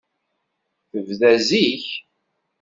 Tebda zik.